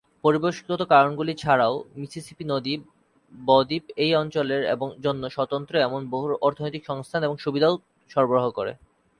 পরিবেশগত কারণগুলি ছাড়াও, মিসিসিপি নদী ব-দ্বীপ এই অঞ্চলের জন্য স্বতন্ত্র এমন বহু অর্থনৈতিক সংস্থান এবং সুবিধাও সরবরাহ করে।